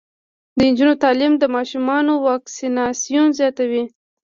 د نجونو تعلیم د ماشومانو واکسیناسیون زیاتوي.